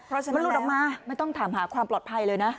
เพราะฉะนั้นมันหลุดออกมาไม่ต้องถามหาความปลอดภัยเลยนะ